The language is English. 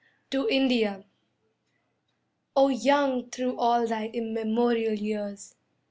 TO INDIA O young through all thy immemorial years!